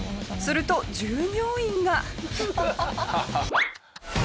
すると従業員が。